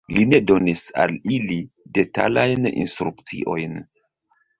Li ne donis al ili detalajn instrukciojn.